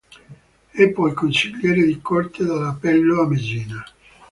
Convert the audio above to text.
È poi consigliere di corte d`appello a Messina.